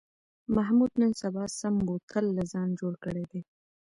محمود نن سبا سم بوتل له ځانه جوړ کړی دی.